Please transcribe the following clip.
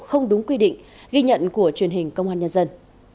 không đúng quy định ghi nhận của truyền hình công an nhân dân